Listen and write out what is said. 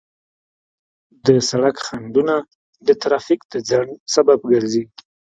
د سړک خنډونه د ترافیک د ځنډ سبب ګرځي.